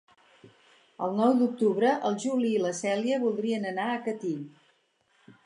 El nou d'octubre en Juli i na Cèlia voldrien anar a Catí.